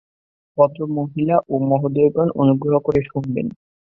ভদ্রমহিলা ও মহোদয়গণ, অনুগ্রহ করে শুনবেন।